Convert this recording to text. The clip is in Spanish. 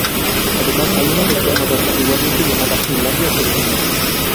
Además hay una región moderna igualmente llamada Finlandia Genuina.